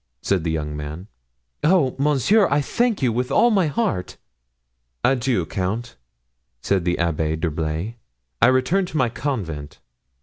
said the young man. "Oh, monsieur, I thank you with all my heart." "Adieu, count," said the Abbé d'Herblay; "I return to my convent."